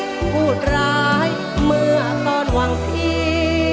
พูดร้ายเมื่อตอนหวังพี่